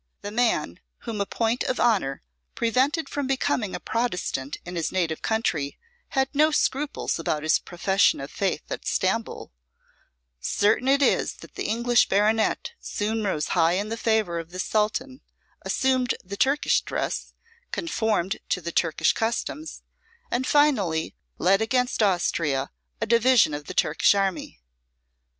The man whom a point of honour prevented from becoming a Protestant in his native country had no scruples about his profession of faith at Stamboul: certain it is that the English baronet soon rose high in the favour of the Sultan, assumed the Turkish dress, conformed to the Turkish customs, and finally, led against Austria a division of the Turkish army.